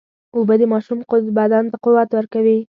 اوبه د ماشوم بدن ته قوت ورکوي.